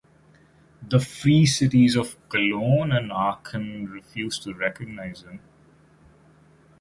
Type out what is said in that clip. The free cities of Cologne and Aachen refused to recognise him.